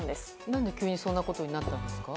何で急にそんなことになったんですか？